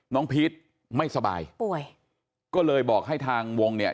พีชไม่สบายป่วยก็เลยบอกให้ทางวงเนี่ย